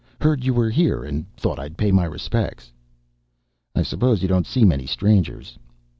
"Heard you were here and thought I'd pay my respects." "I suppose you don't see many strangers."